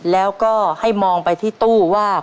แล้วก็ให้มองไปที่ตู้ว่า